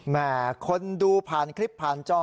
แม่คนดูผ่านคลิปผ่านจอ